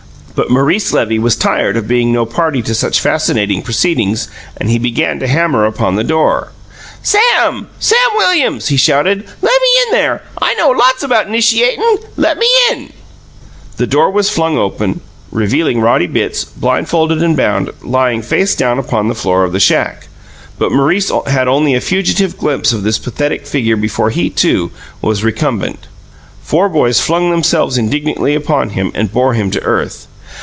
But Maurice Levy was tired of being no party to such fascinating proceedings, and he began to hammer upon the door. "Sam! Sam Williams!" he shouted. "Lemme in there! I know lots about 'nishiatin'. Lemme in!" The door was flung open, revealing Roddy Bitts, blindfolded and bound, lying face down upon the floor of the shack; but Maurice had only a fugitive glimpse of this pathetic figure before he, too, was recumbent. Four boys flung themselves indignantly upon him and bore him to earth.